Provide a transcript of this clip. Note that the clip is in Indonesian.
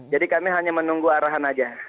jadi kami hanya menunggu arahan aja